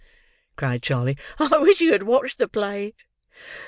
cried Charley. "I wish you had watched the play.